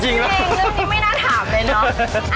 เรื่องนี้ไม่น่าถามเลยนะ